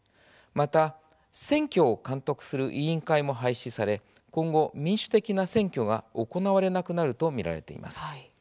また、選挙を監督する委員会も廃止され今後、民主的な選挙が行われなくなると見られています。